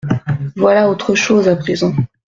Voilà autre chose, à présent…